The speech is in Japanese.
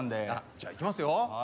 じゃあいきますよ。